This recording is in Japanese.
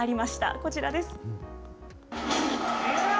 こちらです。